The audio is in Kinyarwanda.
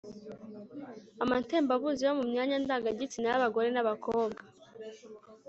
amatembabuzi yo mu myanya ndangagitsina y'abagore n'abakobwa